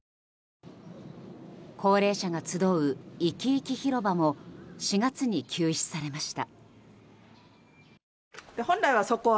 高齢者が集ういきいき広場も４月に休止されました。